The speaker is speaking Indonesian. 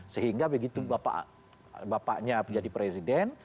sehingga begitu bapaknya menjadi presiden